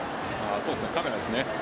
カメラですね。